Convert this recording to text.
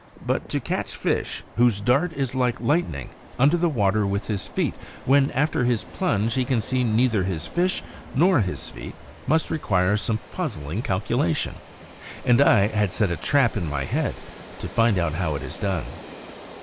But to catch a fish whose dart is like lightning under the water with his feet, when, after his plunge, he can see neither his fish nor his feet, must require some puzzling calculation. And I had set a trap in my head to find out how it is done.